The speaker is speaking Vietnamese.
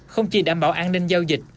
không chỉ đảm bảo an ninh giao dịch